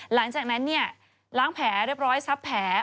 หลังจากนั้นเนี่ยล้างแผลเรียบร้อยซับแผล